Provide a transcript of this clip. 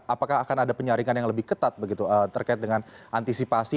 apakah akan ada penyaringan yang lebih ketat begitu terkait dengan antisipasi